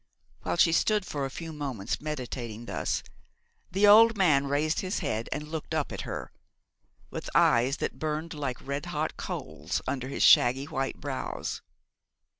While she stood for a few moments meditating thus, the old man raised his head and looked up at her, with eyes that burned like red hot coals under his shaggy white brows.